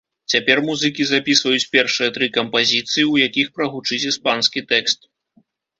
Цяпер музыкі запісваюць першыя тры кампазіцыі, у якіх прагучыць іспанскі тэкст.